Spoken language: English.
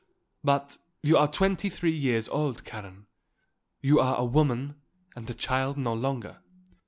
But, you are twenty three years old, Karen; you are a woman, and a child no longer.